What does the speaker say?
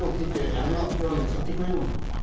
やめ時は言ってくれるのかな？